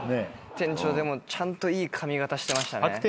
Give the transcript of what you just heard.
店長ちゃんといい髪形してましたね。